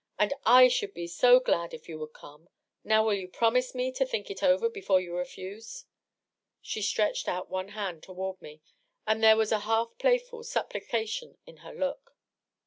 And I should be so glad if you would come !.. Now will you Cmise me to think it over before you refuse?" She stretched out one d toward me, and there was a half playful supplication in her look.